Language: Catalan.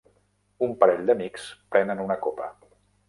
Un parell d'amics prenen una copa